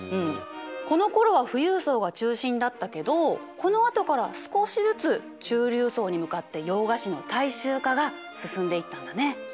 このころは富裕層が中心だったけどこのあとから少しずつ中流層に向かって洋菓子の大衆化が進んでいったんだね。